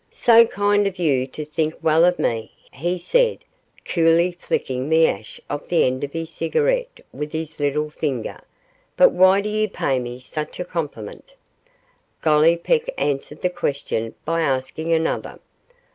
'So kind of you to think well of me,' he said, coolly flicking the ash off the end of his cigarette with his little finger; 'but why do you pay me such a compliment?' Gollipeck answered the question by asking another.